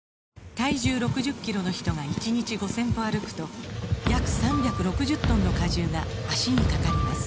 体重６０キロの人が１日５０００歩歩くと約３６０トンの荷重が脚にかかります